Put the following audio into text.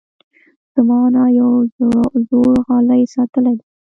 زما انا یو زوړ غالۍ ساتلی دی.